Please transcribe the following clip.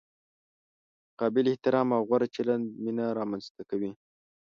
متقابل احترام او غوره چلند مینه را منځ ته کوي.